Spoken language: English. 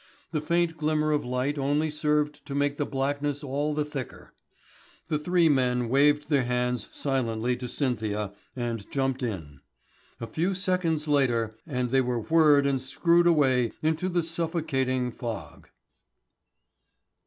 The faint glimmer of light only served to make the blackness all the thicker. The three men waved their hands silently to Cynthia and jumped in. A few seconds later and they were whirred and screwed away into the suffocating fog.